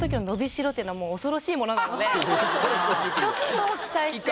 ちょっと期待してほしい。